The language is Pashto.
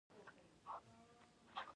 څوک يې؟